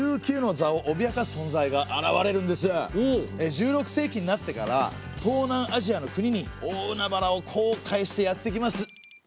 １６世紀になってから東南アジアの国に大海原を航海してやって来ます。